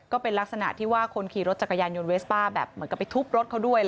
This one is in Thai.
ก็เป็นลักษณะที่ว่าคนขี่รถจักรยานยนต์เวสป้าแบบเหมือนกับไปทุบรถเขาด้วย